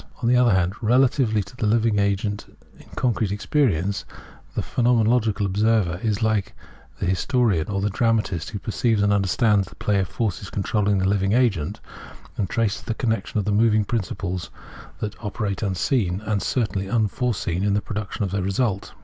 On the other hand, relatively to the living agent in concrete experience, the phenomenological observer is like the historian or the dramatist who perceives and understands the play of the forces controlling the living agent, and traces the connexion of the moving principles that operate unseen, and certainly unforeseen, in the production of the result.